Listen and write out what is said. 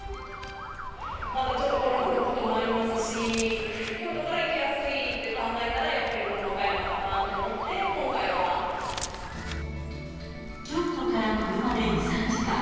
まだちょっとコロナのこともありますし、京都から行きやすいって考えたら、やっぱりこの和歌山かなと思って、京都から車で２、３時間。